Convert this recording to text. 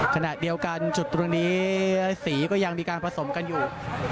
ขณะเดียวกันจุดตรงนี้สีก็ยังมีการผสมกันอยู่